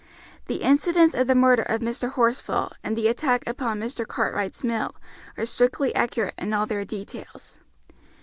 The incidents of the murder of Mr. Horsfall and the attack upon Mr. Cartwright's mill are strictly accurate in all their details.